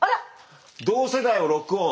同世代をロックオン。